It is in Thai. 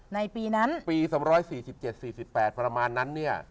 ในปีนั้นปี๒๔๗๔๘ประมาณนั้นเนี่ย